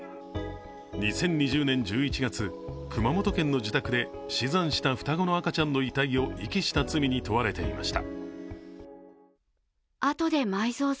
２０２０年１１月、熊本県の自宅で死産した双子の赤ちゃんの遺体を遺棄した罪に問われていました。